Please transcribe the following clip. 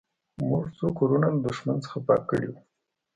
موږ څو کورونه له دښمن څخه پاک کړي وو